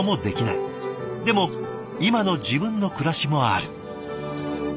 でも今の自分の暮らしもある。